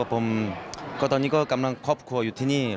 ผมก็ตอนนี้ก็กำลังครอบครัวอยู่ที่นี่